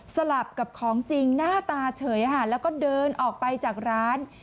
สลับกับของจริงหน้าตาเฉยแล้วก็เดินออกไปจากร้าน